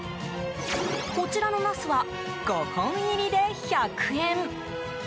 こちらのナスは５本入りで１００円。